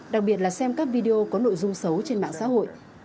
đặc biệt là xem các video có nội dung xấu